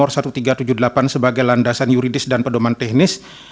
sebagai landasan yuridis dan pedoman teknis